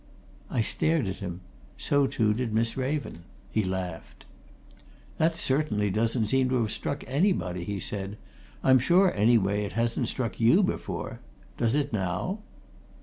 I stared at him; so, too, did Miss Raven. He laughed. "That, certainly, doesn't seem to have struck anybody," he said. "I'm sure, anyway, it hasn't struck you before. Does it now?"